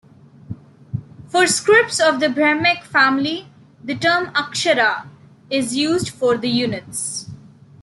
For scripts of the Brahmic family, the term "akshara" is used for the units.